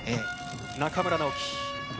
中村直幹。